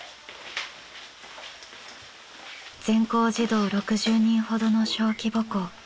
全校児童６０人ほどの小規模校。